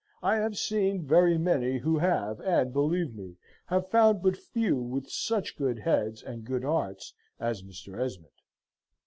I have seen very many who have, and, believe me, have found but few with such good heads and good harts as Mr. Esmond.